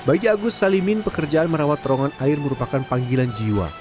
bagi agus salimin pekerjaan merawat terowongan air merupakan panggilan jiwa